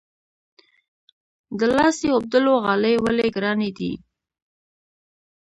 د لاسي اوبدلو غالۍ ولې ګرانې دي؟